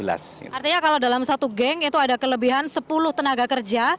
artinya kalau dalam satu geng itu ada kelebihan sepuluh tenaga kerja